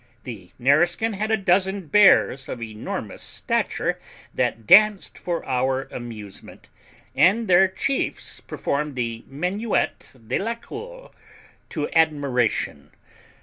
The Nareskin had a dozen bears of enormous stature that danced for our amusement, and their chiefs performed the minuet de la cour to admiration.